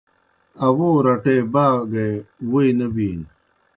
اوو رٹے باگے ووئی نہ بِینوْ۔